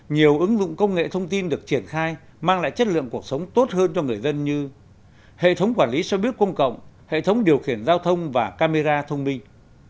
nhiều ứng dụng công nghệ thông tin được triển khai mang lại chất lượng cuộc sống tốt hơn cho người dân như hệ thống quản lý xe buýt công cộng hệ thống điều khiển giao thông và camera thông minh